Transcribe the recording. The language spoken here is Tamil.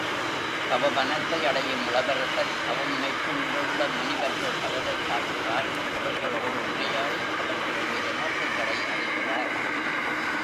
தவவனத்தை அடையும் இளவரசர் தவம் மேற்கொண்டுள்ள முனிவர்கள் பலரைப் பார்க்கிறார் அவர்களோடு உரையாடி அவர்களுடைய நோக்கங்களை அறிகிறார்.